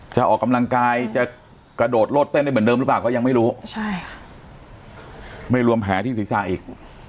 จะออกกำลังกายจะกระโดดโลดเต้นได้เหมือนเดิมหรือเปล่าก็ยังไม่รู้ใช่ค่ะไม่รวมแผลที่ศีรษะอีก